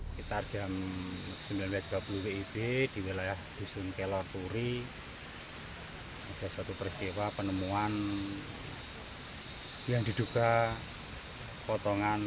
sekitar jam sembilan tiga puluh wib di wilayah disunkelor turi ada satu perciwa penemuan yang diduga potongan